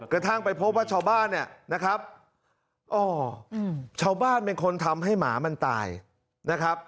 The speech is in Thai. กระทั่งไปพบว่าชาวบ้านเนี่ยนะครับอ๋อชาวบ้านเป็นคนทำให้หมามันตายนะครับ